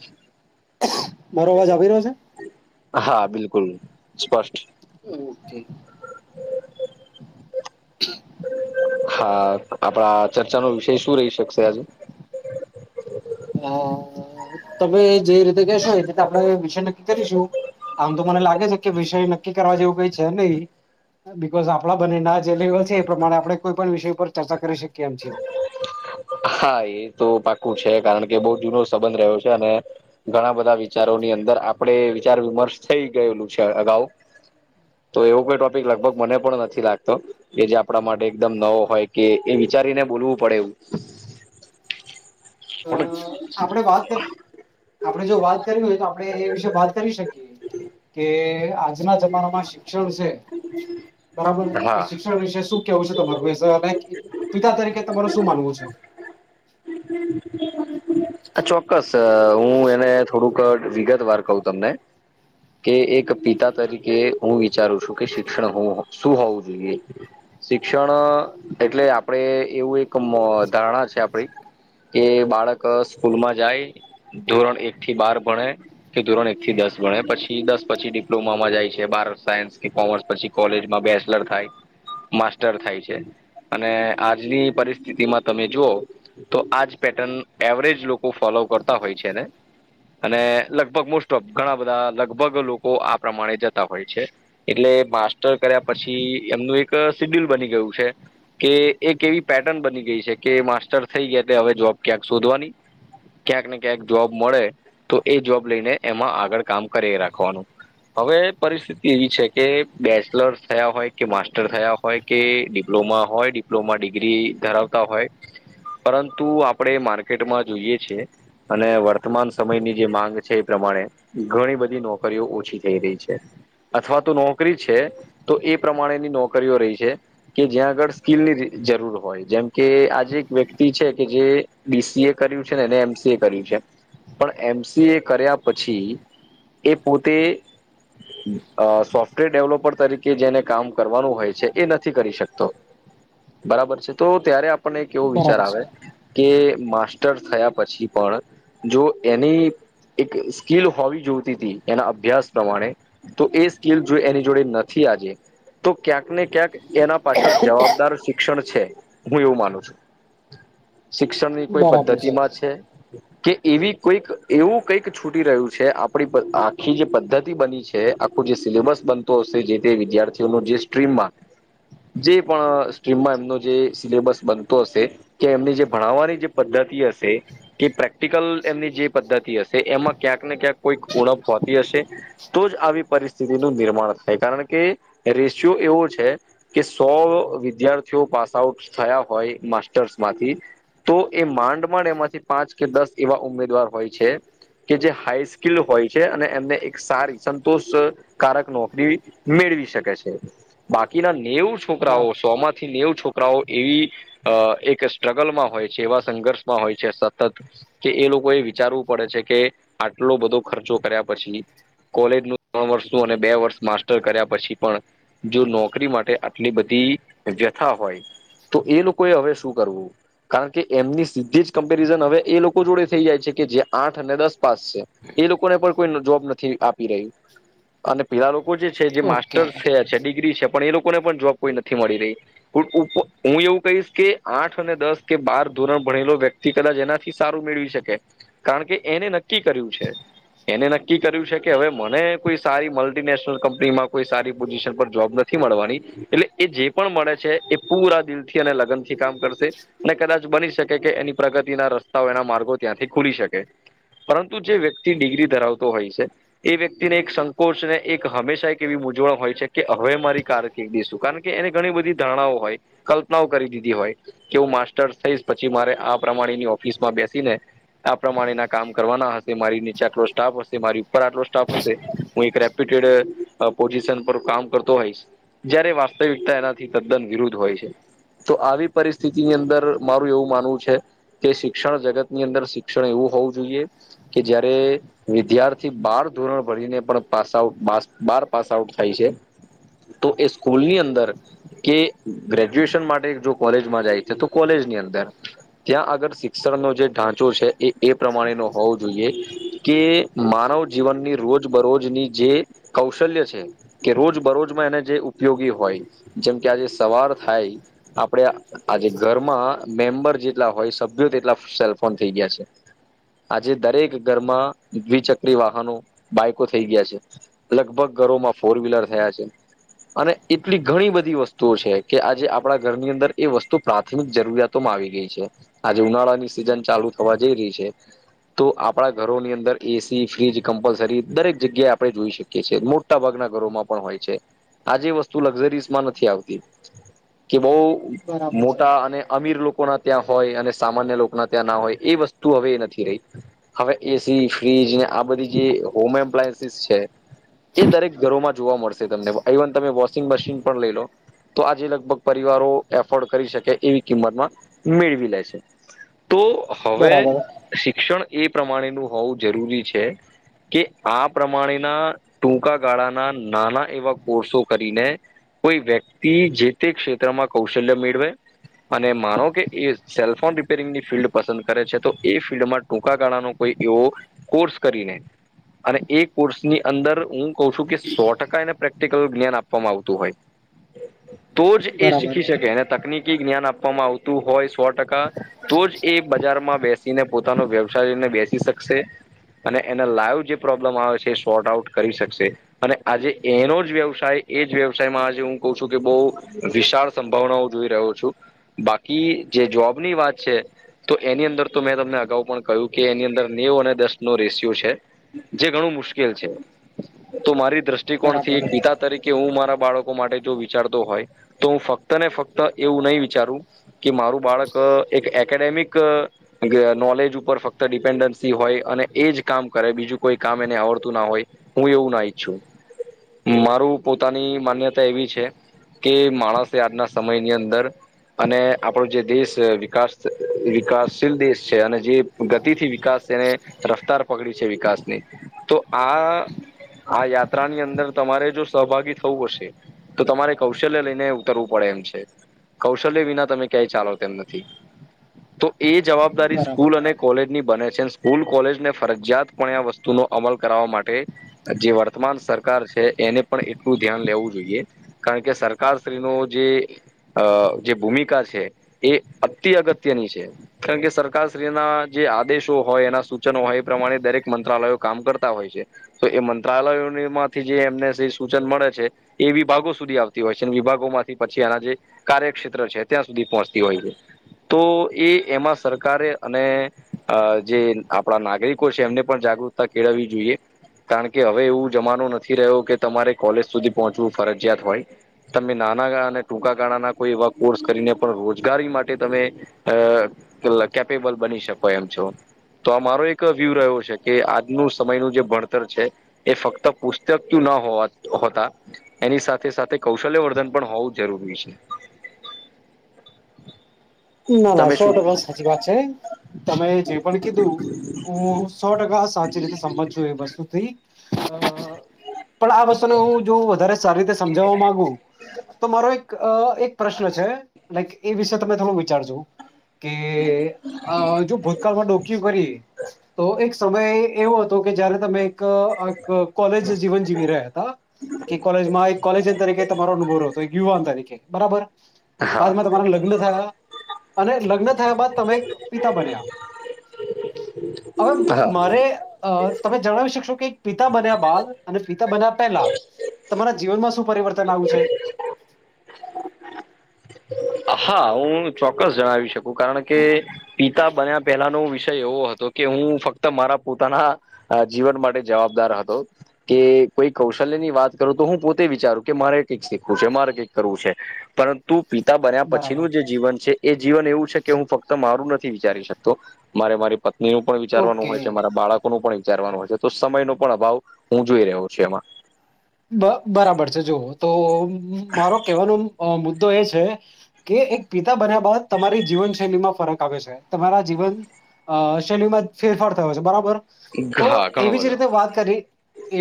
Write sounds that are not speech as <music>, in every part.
<inaudible> મારો અવાજ આવી રહ્યો છે. હા બિલકુલ સ્પષ્ટ ઓકે. હા આપણા ચર્ચાનો વિષય શું રહી શકશે આજે. અ તમે જે રીતે કહેશો એ રીતે આપણે વિષય નક્કી કરીશું આમ તો મને લાગે છે કે વિષય નક્કી કરવા જેવું કઈ છે નહીિ બિકઝ આપણા બંનેના જે લેવલ છે એ પ્રમાણે આપણે કોઈ પણ વિષય ઉપર ચર્ચા કરી શકીએ એમ છ. હા એ તો પાક્કું છે કારણ કે બહુ જૂનો સંબંધ રહ્યો છે અને ઘણા બધા વિચારોની અંદર આપડે વિચાર વિમર્શ થઈ ગયેલું છે અગાઉ તો એવો કોઈ ટોપિક લગભગ મને પણ નથી લાગતો કે જે આપણા માટે એકદમ નવો હોય કે એ વિચારીને બોલવું પડે એવું અ આપણેે વાત આપડે જો વાત કરવી હોય તો આપણે એ વિશે વાત કરી શકીએ. કે આજના જમાનામાં શિક્ષણ છે બરાબર એ હા શિક્ષણ વિશે શું કેવું છે તમારું વિસે અને પિતા તરીકે તમાર શું માનવું છે. હમ. આ ચોક્કસ હું એને થોડુંક વિગત વાર કહ તમને કે એક પિતા તરીકે હું વિચારું છું કે શિક્ષણ શું હોવું જોઈએ શિક્ષણ એટલે આપણે એવું એક ધારણા છે આપડી કે બાળક સ્કૂલમાં જાય ધોરણ એક થી બાર ભણે કે ધોરણ એક થી દસ ભણે પછી દસ પછી ડિપ્લોમામાં જાય છે બાર ઓ સાયન્સ કે કોમર્સ પછી કોલેજમાં બેચલર થાય માસ્ટર થાય છે અને આજની પરિસ્થિતિમાં તમે જુઓ તો આજ પેટર્ન એવરેજ લોકો ફોલો કરતા હોય છે ને અને લગભગ મોસ્ટ ઓફ ઘણા બધા લગભગ લોકો પ્રમાણે જતા હોય છે એટલે માસ્ટર કર્યા પછી એમનું એક સિડિલ બની ગયું છે કે એક એવી પેટર્ન બની ગઈ છે કે માસ્ટર થઈ ગયા તે હવે જોબ ક્યાંક શોધવાની ક્યાંક ને ક્યાંક જોબ મળે તો એ જોબ લઈને એમાં આગળ કામ કરી રાખવાનું. હવે પરિસ્થિતિ એવી છે કે બેચલરસ થયા હોય કે માસ્ટર થયા હોય કે ડિપ્લોમા હોય ડિપ્લોમા ડિગ્રી ધરાવતા હોય પરંતુ આપણે માર્કેટમાં જોઈએ છેએ અને વર્તમાન સમયની જે માંગ છે એ પ્રમાણે ઘણી બધી નોકરીઓ ઓછી અથવા તો નોકરી છે તો એ પ્રમાણેની નોકરીઓ રહી છે કે જ્યાં આગળ સ્કીિલની જરૂર હોય જેમ કે આજે એક વ્યક્તિ છે કે જે બીસીએ કર્યું છે ને એ એમસી એ કર્યું છે પણ એમસી એ કર્યા પછી એ પોતે અ સોફ્ટવેર ડેવલોપર તરીકે જેને કામ કરવાનું હોય છે એ નથી કરી શકતો બરાબર છે તો ત્યારે આપને એક એવો વિચાર બરાબર આવે છે કે માસ્ટર થયા પછી પણ જો એની એક સ્કીલ હોવી જોતી હતી એના અભ્યાસ પ્રમાણે તો એ સ્કીલ જો એની જોડે નથી આજે તો ક્યાંક ને ક્યાંક એના પાછળ જવાબદાર શિક્ષણ છે. હું એવું માનું છું. શિક્ષણની કોઈ પદ્ધતિ માં છે. કે એવી કોઈક એવું કઈક છૂટી રહ્યું છે આપણી આખી જે પદ્ધતિ બની આખું જે સિલેબસ બનતો હશે જે તે વિદ્યાર્થીઓનો જે સ્ટ્રીમમાં જે પણ સ્ટ્રીમમાં એમનો જે સિલેબસ બનતો હશે કે એમની જે ભણાવવાની જે પદ્ધતિ હશે કે પ્રેક્ટિકલ એમની જે પદ્ધતિ હશે એમાં ક્યાંક ને ક્યાંક કોઈક ઉણપ હોતી હશે. તો જ આવી પરિસ્થિતિનું નિર્માણ થાય કારણ કે રેશિયો એવો છે કે સો વિદ્યાર્થીઓ પાસ આઉટ થયા હોય માસ્ટર્સમાંથી તો એ માંડ માંડ એમાંથી પાંચ કે દસ એવા ઉમેદવાર હોય છે કે જે હાઈસ્કીલ હોય છે અને એમને એક સારી સંતોષકારક નોકરી મેળવી શકે છે બાકીના નેવું બરાબર છોકરાઓ સોમાં થી નેવ છોકરાઓ એવી એક સ્ટ્રગલમાં હોય છે એવા સંઘર્ષમાં હોય છે સતત કે એ લોકો એ વિચારવું પડે છે કે આટલો બધો ખર્ચો કર્યા પછી કોલેજનું ત્રણ વર્ષ અને બે વર્ષ માસ્ટર કર્યા પછી પણ જો નોકરી માટે આટલી બધી વ્યથા હોય તો એ લોકોએ હવે શું કરવું કારણ કે એમની સીધી જ કમ્પેરિઝન હવે એ લોકો જોડે થઈ જાય છે કે જે આઠ અને દસ પાસ છે એ લોકોને પણ કોઈ જોબ નથી આપ રહ અને પીલા લોકો લોકો જે છે જે ઓકે માસ્ટર્સ છે છે ડિગ્રી છે. પણ એ લોકોને પણ જોબ કોઈ નથી મળી રહી હું એવું કહીશ કે આઠ અને દસ કે બાર ધોરણ ભણેલો વ્યક્તિ કદાચ એનાથી સારું મેળવી શકે કારણ કે એને નક્કી કર્યું છે એને નક્કી કર્યું છે. કે હવે મને કોઈ સારી મલ્ટીનેશનલ કંપનીમાં કોઈ સારી પોઝિશન પર જોબ નથી મળવાની એટલે એ જે પણ મળે છે એ પૂરા દિલથી અને લગન થી કામ કરશે અને કદાચ બની શકે કે એની પ્રગતિના રસ્તાઓ એના માર્ગો ત્યાંથી ખુલી શકે પરંતુ જે વ્યક્તિ ડિગ્રી ધરાવતો હોય છે. એ વ્યક્તિને એક સંકોચને એક હંમેશા એક એવી મૂજવણ હોય છે કે હવે મારી કાર કક દઈશું કારણ એને ઘણી બધી ધારણાઓ હોય કલ્પનાઓ કરી દીધી હોય કે હું માસ્ટર થઈશ પછી મારે આ પ્રમાણેની ઓફિસમાં બેસીને આ પ્રમાણે ના કામ કરવાના હશે. મારી નીચે આટલો સ્ટાફશે મારી ઉપર આટલો સ્ટાફ હશે હું એકપ પર કામ કરતો હોય જ્યારે વાસ્તવિકતા એનાથી તદ્દન વિરુદ્ધ હોય છે તો આવી પરિસ્થિતિ સ્થિતિની અંદર મારું એવું માનવું છે. કે શિક્ષણ જગતની અંદર શિક્ષણ એવું હોવું જોઈએ કે જયારે વિદ્યાર્થી બાર ધોરણ ભરીને પણ પાસ આઉટ બાર પાસ આઉટ થાય છે તો એ સ્કૂલની અંદર કે ગ્રેજ્યુએશન માટે જો કોલેજમાં જાય છે તો કોલેજની અંદર ત્યાં આગળ શિક્ષણનો જે ઢાંચો છે એ એ પ્રમાણે નો હોવો જોઈએ કે મારો જીવનની રોજ બરોજની જે કૌશલ્ય છે કે રોજ બરોજમાં એને જે ઉપયોગી હોય જેમ કે આજે સવાર થાય આપણે આજે ઘરમાં મેમ્બર જેટલા હોય સભ્યો તેટલા સેલફોન થઈ ગયા છે આજે દરેક ઘરમાં દ્વિચક્રી વા બાઈકો થઈ ગયા છે લગભગ ઘરોમાં ફોર વ્લર થયા છે, અને એટલી ઘણી બધી વસ્તુઓ છે કે આજે આપણા ઘરની અંદર એ વસ્તુ પ્રાથમિક જરૂરિયાતોમાં આવી ગઈ છે આજે ઉનાળાની સિઝન ચાલુ થવા જઈ રહી છે, તો આપડા ઘરોની અંદર એસી, ફ્રીજ કમ્પલસરી દરેક જગ્યાએ આપણે જોઈ શકીએ છીએ મોટા ભાગના ઘરોમાં પણ હોય છે આજે વસ્તુ લક્ઝરીઝમાં નથી આવતી કે બહુ બરાબર છે. મોટા અને અમીર લોકો ના ત્યાં હોય અને સામાન્ય લોકોના ત્યાં ના હોય એ વસ્તુ હવે નથી રહી હવે એસી ફ્રીજ ને આ બધી જે હોમ એપ્લાયન્સીસ છે એ દરેક ઘરોમાં જોવા મળશે તમને ઇવન તમે વોશિંગ મશીન પણ લઈ લો તો આજે લગભગ પરિવારો એફોર્ડ કરી શકે એવી કિંમતમાં મેળવી લે છે તો હવે બરાબર. શિક્ષણ એ પ્રમાણેનું હોવું જરૂરી છે. કે આ પ્રમાણેના ટૂંકા ગાળાના નાના એવા કોર્સો કરીને કોઈ વ્યક્તિ જે તે ક્ષેત્રમાં કૌશલ્ય મેળવે અને માનો કે એ સેલફોન રિપેરિંગની ફિલ્ડ પસંદ કરે છે તો એ ફિલ્ડમાં ટૂંકા ગાળાનો કોઈ એવો કોર્સ કરીને અને એ કોર્સની અંદર હું કહ છું કે સો ટકા એને પ્રેક્ટિકલ જ્ઞાન આપવામાં આવતું હોય તો જ એ બરાબર શીખી શકે અને તકનીક જ્ઞાન આપવામાં આવતું હોય સો ટકા તો જ એ બજારમાં બેસીને પોતાનો વ્યવસાયને બેસી શકશે અને લ જે પ્રોબ્લેમ આવે છે એ સોર્ટ આઉટ કરી શકશે અને આજે એનો જ વ્યવસાય એ જ વ્યવસાયમાં આજે હું કઉ છું કે બહુ વિશાળ સંભાવનાઓ જોઈ રહ્યો છું બાકી જે જોબની વાત છે તો એની અંદર તો મેં તમને અગાઉ પણ કહ્યું કે એની અંદર નેવ અને દસ નો રેશિયો છે. જે ઘણું મુશ્કેલ છે તો મારી દ્રષ્ટિકોણથી બરાબર એક ગીતા તરીકે કે હું મારા બાળકો માટે જો વિચારતો હોય તો હું ફક્ત ને ફક્ત એવું નહીં વિચારું કે મારું બાળક એક એકેડેમિક નોલેજ ઉપર ફક્ત ડિપેન્ડન્સી હોય અને એ જ ક કરે બીજું કોઈ કામ એને આવડતું ના હોય હું એવું ના ઈચ્છું મારું પોતાની માન્યતા એવી છે કે માણસે આજના સમયની અંદર અને આપણો જે દેશ વિકાસ વિકાસશીલ દેશ છે અને જે ગતિથી વિકાસ એને રફતાર પકડી છે વિકાસની તો આ આ યાત્રાની અંદર તમારે જો સહભાગી થવું હશે તો તમારે કૌશલ્ય લઈને ઉતરવું પડે એમ છે કૌશલ્ય વિના તમે ક્યાંય ચાલો તેમ નથી તો એ જ જવાબદારી બરાબર. સ્કૂલ અને કોલેજ ની બને છે સ્કૂલ કોલેજને ફરજિયાત પણ આ વસ્તુનો અમલ કરાવવા માટે જે વર્તમાન સરકાર છે એને પણ એટલું ધ્યાન લેવું જોઈએ કારણ કે સરકારશ્રીનો જે ભૂમિકા છે એ અતિ અગત્યની છે કારણ કે સરકારશ્રીના જે આદેશો હોય એના સૂચનો હોય. પ્રમાણે દરેક મંત્રાલયો કામ કરતા હોય છે તો એ મંત્રાલયોમાંથી જે એમને જે સૂચન મળે છે એ વિભાગો સુધી આવતી હોય છે વિભાગોમાંથી પછી એના જે કાર્યક્ષેત્ર છે ત્યાં સુધી પહોંચતી હોય છે તો એ એમાં સરકારે અને જે આપણા નાગરિક એમને પણ જાગૃતતા કેળવવી જોઈએ કારણ કે હવે એવું જમાનું નથી રહ્યો કે તમારે કોલેજ સુધી પહોંચવું ફરજિયાત હોય તમે નાના અને ટૂંકા ગાળાના કોઈ એવા કોર્સ કરીને પણ રોજગારી માટે તમે કેપેબલ બની શકો એમ છો તો આ મારો એક વ્યુ રહ્યો છે કે આજનું સમયનું જે ભણતર છે એ ફક્ત પુસ્તકયું ના હો હોતા એની સાથે સાથે કૌશલ્યવર્ધન પણ હોવું જરૂરી છે. ના ના તમે સો શું ટકા સાચી વાત છે તમે જે પણ કીધું હું સો ટકા સાચી રીતે સંભજ છું એ વસ્તુ થી પણ આ વસ્તુને હું જો વધારે સારી રીતે સમજવા માંગ તો મારો એક <inaudible> એક પ્રશ્ન છે. લાઈક એ વિશે ત થોડું જો ભૂતકાળમાં ડોકી કરી તો એક સમય એવો હતો કે જયારે તમે કોલેજ જીવન જીવી રહ્યા હતા કે કોલેજમાં એક કોલેજયન તરીકે તમારો અનુભવ હતો યુવાન તરીકે બરાબર. હા બાદમાં તમારા લગ્ન થયા અને લગ્ન થયા બાદ તમે એક પિતા બન્યા. હવે હા મારે અ તમે જણાવી શકશો કે એક પિતા બન્યા બાદ અને પિતા બન્યા પહેલા તમારા જીવનમાં શું પરિવર્તન આવ્યું છે. હા હું ચોક્કસ જણાવી શક કારણ કે પિતા બન્યા પહેલા ન વિષય એવો હતો કે હું ફક્ત મારા પોતાના જીવન માટે જવાબદાર હતો કે કોઈ કૌશલ્ય ની વાત કરું તો હું પોતે વિચારું કે મારે કઈક શીખવું છે મારે કઈક કરવું છે પરંતુ પિતા બન બરાબર પછીનું જે જીવન છે એ જીવન એવું છે કે હું ફક્ત મારું નથી વિચારી શકતો મારે મારી પ એનું પણ વિચારવાનું ઓકે હોય છે મારા બાળક ન પણ વિચારવાનું હય તો સમય ન પણ અભાવ હું જોઈ રહ્યો છું એમાં. બ બરાબર છે જુવઓ તો મારો કેહેવાનો મુદ્દો એ છે કે એક પિતા બન્યા બાદ તમારી જીવન શૈલીમાં ફરક આવે છે તમારા જીવન શૈલીમાં ફેરફાર થયો છે બરાબર. તો હા ઘણો એવી જ બધો રીતે વાત કરી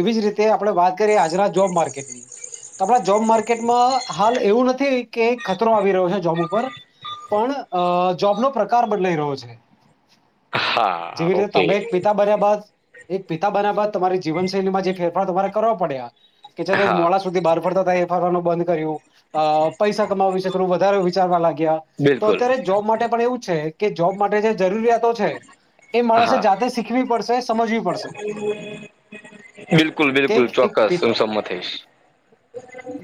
એવી જ રીતે આપણે વાત બટ જોબ માર્કેટમાં હાલ એવું નથી કે ખતરો આવી રહ્યો છે જોબ ઉપર પણ જોબ નો પ્રકાર બદલાઈ રહ્યો છે. હા જેવી રીતે ઓકે તમે એક પિતા બર્યા બાદ એક પિતા બન્યા બાદ તમારી જીવનૈલીમાં જે ફેરફાર તમા કરવા પડ્યા. કે જાલ હા મોડા સુધી બહાર પડતા હતા એફઆરવાર ન બંધ કર્યું પૈસા કમાવવા વિશે થોડું વધારે વિચારવા લાગ્યા તો બિલકુલ અત્યારે જોબ માટે પણ એવું છે. કે જોબ માટે જે જરૂરિયાત એ માણસે હા જાતે શીખવી પડશે સમજવી પડશે. બિલકુલ બિલકુલ કેક એક ચોક્કસ હું સંમત થઈશ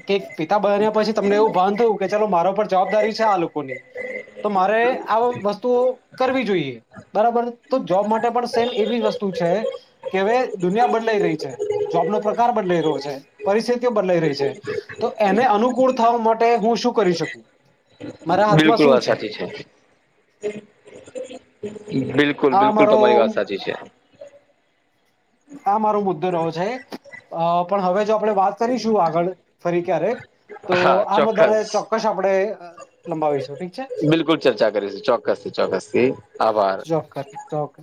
કેક પિતા બન્યા પછી તમને એવું ભાન થયું કે ચાલો મારો પર જવાબદારી છે આ લોકોની તો મારે આ વસ્તુઓ કરવી જોઈએ બરાબર તો જોબ માટે પણ સેમ એવી વસ્તુ છે કે હવે દુનિયા બદલાઈ રહી છે. જોબનો પ્રકાર બદલાઈ રહ્યો છે પરિસ્થિતિઓ બદલાઈ રહી છે તો એને અનુકૂળ થવા માટે હું શું કરી શકું. મારા હાથમાં બિલકુલ શું આ સાચી છે. બિલકુલ આ બિલકુલ મારો તમારી વાત સાચી છે. આ મારો મુદ્દો રહ્યો છે પણ હવે જો આપણે વાત કરીશું આગળ ફરી ક્યારેક. તો હા આ બધાને ચોક્કસ ચોક્કસ આપડણે લંબાવી સ સુટી બિલકુલ ચર્ચા કરીશ ચોક્કસથી ચોક્કસથી. આભાર ચોકટ ચોક